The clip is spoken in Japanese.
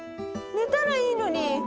「寝たらいいのに」